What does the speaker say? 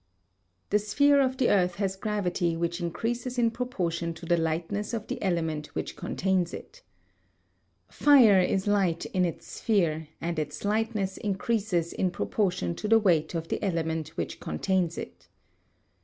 The sphere of the earth has gravity which increases in proportion to the lightness of the element which contains it. Fire is light in its sphere and its lightness increases in proportion to the weight of the element which contains it.